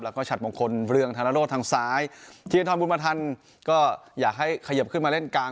แล้วก็ฉัดมงคลเรืองธนโรศทางซ้ายธีรทรบุญมาทันก็อยากให้ขยิบขึ้นมาเล่นกลาง